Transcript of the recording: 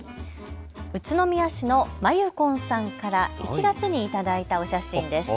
宇都宮市のまゆこんさんから１月に頂いたお写真です。